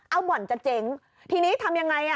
เอาบ่อนจะเจ๊งทีนี้ทำยังไงอ่ะ